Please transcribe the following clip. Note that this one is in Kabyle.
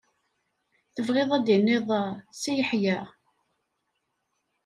Tebɣiḍ a d-tiniḍ Si Yeḥya?